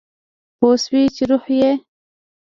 پوه شو چې روح یې